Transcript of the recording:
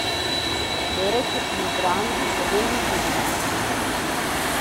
Le orecchie sono grandi e ben visibili.